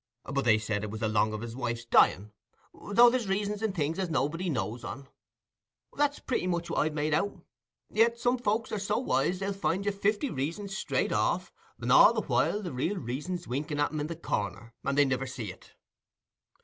But they said it was along of his wife's dying; though there's reasons in things as nobody knows on—that's pretty much what I've made out; yet some folks are so wise, they'll find you fifty reasons straight off, and all the while the real reason's winking at 'em in the corner, and they niver see't.